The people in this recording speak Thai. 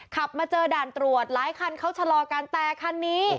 มาเจอด่านตรวจหลายคันเขาชะลอกันแต่คันนี้